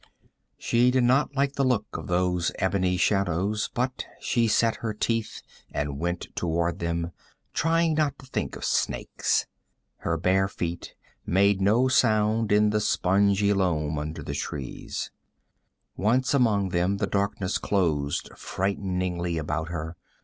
She did not like the look of those ebony shadows, but she set her teeth and went toward them, trying not to think of snakes. Her bare feet made no sound in the spongy loam under the trees. Once among them, the darkness closed frighteningly about her.